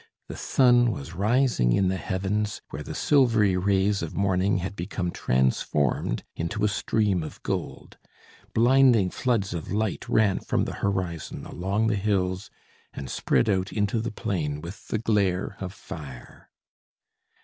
The sun was rising in the heavens, where the silvery rays of morning had become transformed into a stream of gold; blinding floods of light ran from the horizon, along the hills, and spread out into the plain with the glare of fire.